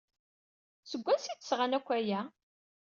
Seg wansi ay d-sɣan akk aya?